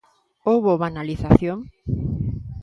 Houbo banalización?